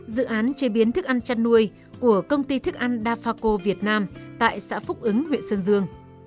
dự án chế biến thức ăn chăn nuôi của công ty thức ăn dafaco việt nam tại xã phúc ứng huyện sơn dương